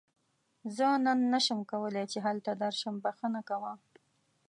زه نن نشم کولی چې هلته درشم، بښنه کوه.